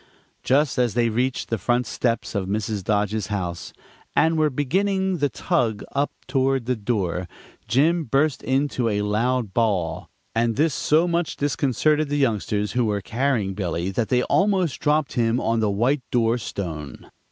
Just as they reached the front steps of Mrs. Dodge's house, and were beginning the tug up toward the door, Jim burst into a loud bawl, and this so much disconcerted the youngsters who were carrying Billy that they almost dropped him on the white door stone.